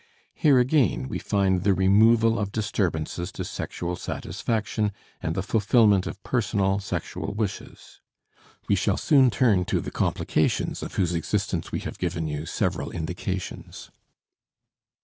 Here again we find the removal of disturbances to sexual satisfaction and the fulfillment of personal sexual wishes. We shall soon turn to the complications of whose existence we have given you several indications.